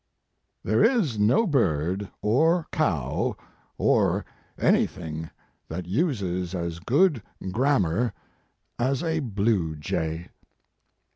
"There is no bird, or cow, or anything that uses as good grammar as a blue jay."